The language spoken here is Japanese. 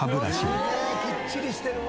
きっちりしてるわ。